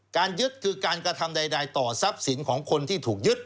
การยึดคือการกระทำใดต่อทรัพย์สินของคนที่ถูกยึด